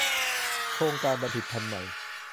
โครงการบัณฑิตพันธุ์ใหม่